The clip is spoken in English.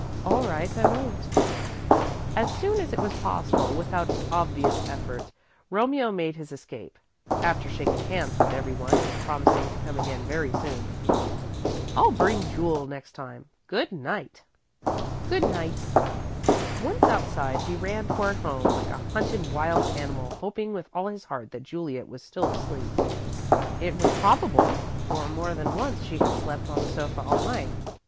"All right I won't." As soon as it was possible, without obvious effort, Romeo made his escape, after shaking hands with everyone and promising to come again very soon. "I'll bring Jule next time. Good night!" Once outside, he ran toward home like a hunted wild animal, hoping with all his heart that Juliet was still asleep. It was probable, for more than once she had slept on the sofa all night.